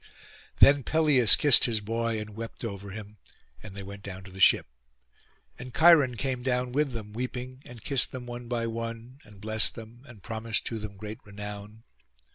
Then Peleus kissed his boy, and wept over him, and they went down to the ship; and Cheiron came down with them, weeping, and kissed them one by one, and blest them, and promised to them great renown.